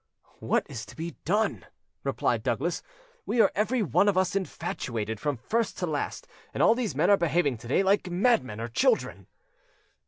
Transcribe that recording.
"What is to be done?" replied Douglas. "We are every one of us infatuated, from first to last, and all these men are behaving to day like madmen or children."